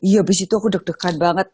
iya abis itu aku deg degan banget